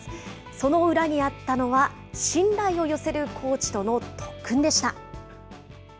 その裏にあったのは、信頼を寄せるコーチとの特訓でした。